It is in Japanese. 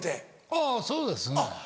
あぁそうですね。